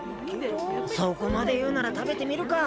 そこまでいうならたべてみるか。